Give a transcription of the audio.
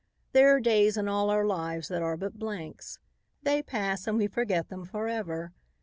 There are days in all our lives that are but blanks. They pass and we forget them forever.